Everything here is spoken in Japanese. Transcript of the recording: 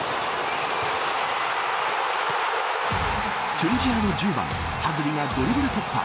チュニジアの１０番ハズリがドリブル突破。